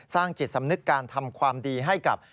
จิตสำนึกการทำความดีให้กับ